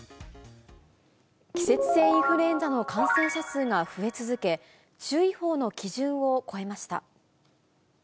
季節性インフルエンザの感染者数が増え続け、注意報の基準を超えました。